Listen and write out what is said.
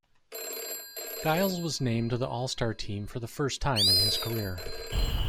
Giles was named to the All-Star team for the first time in his career.